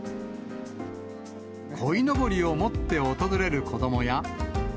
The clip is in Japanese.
こいのぼりを持って訪れる子どもや。